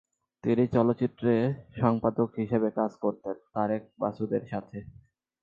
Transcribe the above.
তিনি চলচ্চিত্র সম্পাদক হিসেবে কাজ করতেন তারেক মাসুদের সাথে।